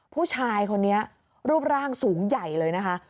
ผู้ชายคนนี้รูปร่างสูงใหญ่เลยนะคะ